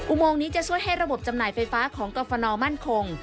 โมงนี้จะช่วยให้ระบบจำหน่ายไฟฟ้าของกรฟนมั่นคง